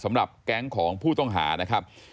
สำหรับแก๊งของผู้ต้องหานะครับ